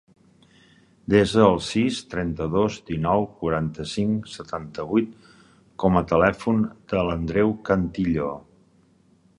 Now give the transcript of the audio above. Desa el sis, trenta-dos, dinou, quaranta-cinc, setanta-vuit com a telèfon de l'Andreu Cantillo.